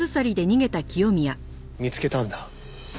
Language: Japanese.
見つけたんだ